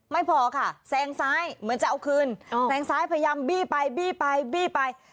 ไม่พอค่ะแซงซ้ายเหมือนจะเอาคืนแซงซ้ายพยายามบี้ไปบี้ไปบี้ไป